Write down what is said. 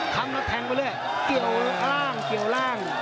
ทำแล้วแทงไปเรื่อยเกี่ยวล่างเกี่ยวร่าง